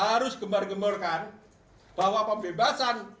terujuan yang terblokir di r habr buena sera